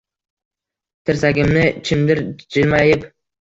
Tirsagimni chimdir jilmayib.